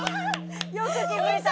よく気づいた！